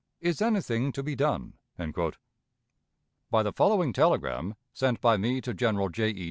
Is anything to be done?" By the following telegram sent by me to General J. E.